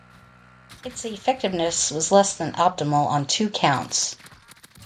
Its effectiveness was less than optimal on two counts.